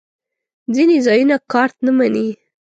ځینې ځایونه کارت نه منی